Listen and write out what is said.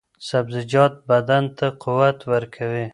سبزیجات بدن ته قوت ورکوي.